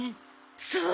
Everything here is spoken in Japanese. そう！